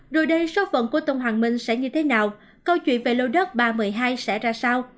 rồi đây số phận của tôn hoàng minh sẽ như thế nào câu chuyện về lô đất ba trăm một mươi hai sẽ ra sao